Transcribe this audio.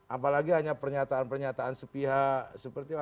apalagi hanya pernyataan pernyataan sepihak seperti apa